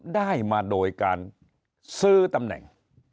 ได้มาโดยการซื้อตำแหน่ง